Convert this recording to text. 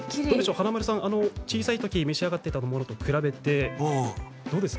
華丸さん、小さいときに召し上がっていたものと比べてどうですか？